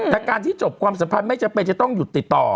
แต่การที่จบความสัมพันธ์ไม่จำเป็นจะต้องหยุดติดต่อ